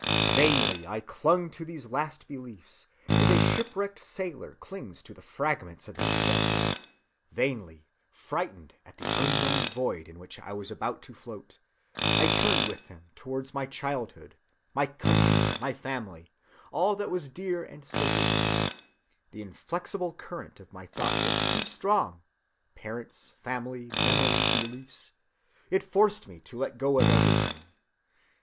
"Vainly I clung to these last beliefs as a shipwrecked sailor clings to the fragments of his vessel; vainly, frightened at the unknown void in which I was about to float, I turned with them towards my childhood, my family, my country, all that was dear and sacred to me: the inflexible current of my thought was too strong,—parents, family, memory, beliefs, it forced me to let go of everything.